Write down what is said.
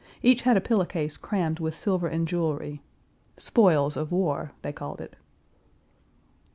Each had a pillow case crammed with silver and jewelry "spoils of war," they called it.